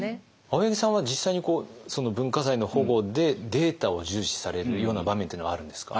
青柳さんは実際に文化財の保護でデータを重視されるような場面っていうのはあるんですか？